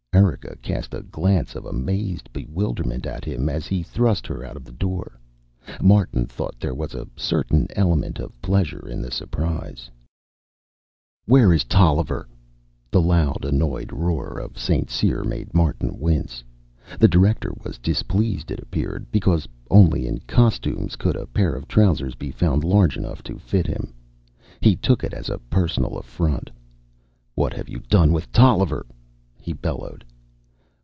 Erika cast a glance of amazed bewilderment at him as he thrust her out of the door. Martin thought there was a certain element of pleasure in the surprise. "Where is Tolliver?" The loud, annoyed roar of St. Cyr made Martin wince. The director was displeased, it appeared, because only in Costumes could a pair of trousers be found large enough to fit him. He took it as a personal affront. "What have you done with Tolliver?" he bellowed.